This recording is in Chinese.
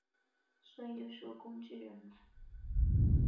所以就是个工具人嘛